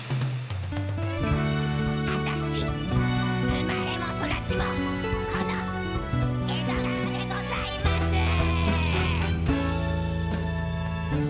「あたし生まれも育ちもこの江戸川でございます」。